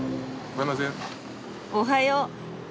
おはよう。